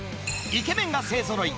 イケメンが勢ぞろい。